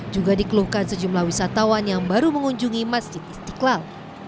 juga dikeluhkan sejumlah wisatawan yang baru mengunjungi masjid istiqlal